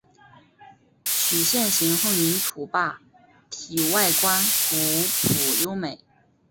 曲线形混凝土坝体外观古朴优美。